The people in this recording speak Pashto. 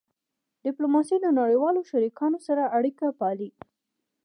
ډیپلوماسي د نړیوالو شریکانو سره اړیکې پالي.